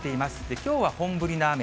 きょうは本降りの雨。